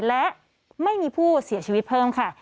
และไม่มีผู้เสียชีวิตเพิ่มค่ะ